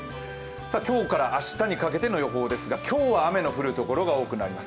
今日から明日にかけての予報ですが今日は雨の降る所が多くなります。